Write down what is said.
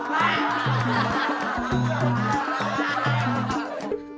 maafkan sri pak